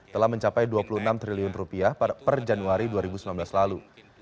telah mencapai rp dua puluh enam triliun rupiah per januari dua ribu sembilan belas lalu